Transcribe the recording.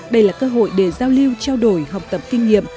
đây là cơ hội để giao lưu trao đổi học tập kinh nghiệm